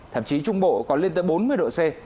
thậm chí trung bộ có lên tới bốn mươi độ c